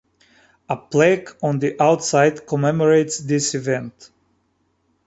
A plaque on the outside commemorates this event.